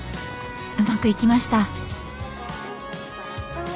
うまくいきました。